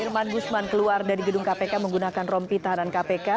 irman gusman keluar dari gedung kpk menggunakan rompi tahanan kpk